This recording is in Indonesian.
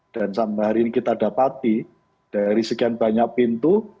dan sampai hari ini kita dapati dari sekian banyak pintu